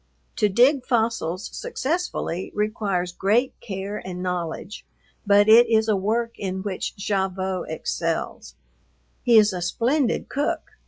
To dig fossils successfully requires great care and knowledge, but it is a work in which Gavotte excels. He is a splendid cook.